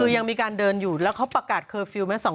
ยังมีการเดินอยู่แล้วเขาประกาศเคอร์ฟิลล์ไหม